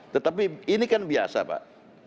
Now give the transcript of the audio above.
tetapi ini kan biasa pak